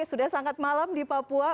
sudah sangat malam di papua